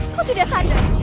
kau tidak sadar